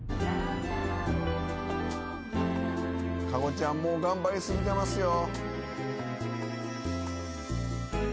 加護ちゃんもう頑張りすぎてますよ。